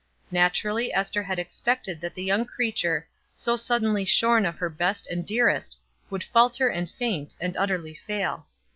Naturally, Ester had expected that the young creature, so suddenly shorn of her best and dearest, would falter and faint, and utterly fail.